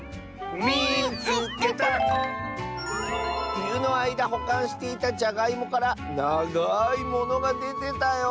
「ふゆのあいだほかんしていたじゃがいもからながいものがでてたよ！」。